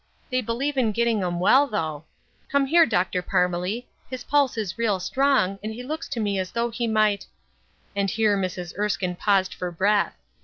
They believe in getting 'em well, though. Come here, Dr. Parmelee. His pulse is real strong, and he looks to me as though he might —" And here Mrs. Erskine paused for breath.